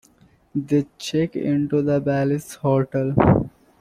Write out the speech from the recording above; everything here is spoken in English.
They check into the Bally's Hotel.